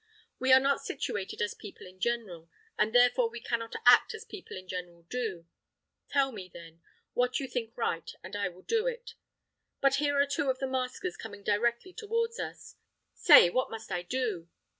We are not situated as people in general, and therefore we cannot act as people in general do. Tell me, then, what you think right, and I will do it. But here are two of the maskers coming directly towards us. Say what must I do?"